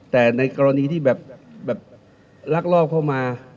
แต่ในกรณีที่แบบลักลอบเข้ามา